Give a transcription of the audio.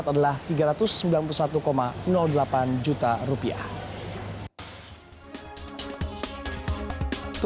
menurunkan target indikatif dari seri ori empat belas jumlah penawaran dan seri ori empat belas lebih rendah